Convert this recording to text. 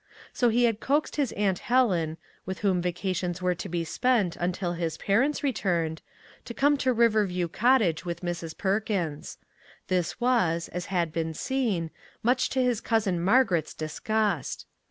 So he had coaxed his Aunt Helen, with whom vacations were to be spent until his parents returned, to come to River view Cottage with Mrs. Perkins. This was, as has been seen, much to his Cousin Margaret's disgust.